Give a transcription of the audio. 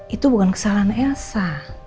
itu bukan kesalahan elsa